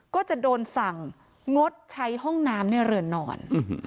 ก็จะโดนสั่งงดใช้ห้องน้ำในเรือนนอน